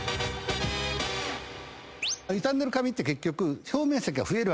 傷んでる髪って表面積が増える。